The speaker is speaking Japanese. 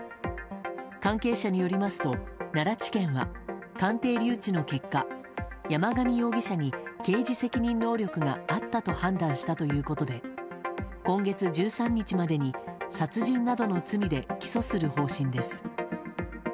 関係者によりますと奈良地検は鑑定留置の結果山上容疑者に刑事責任能力があったと判断したということで今月１３日までに殺人などの罪で起訴する方針です。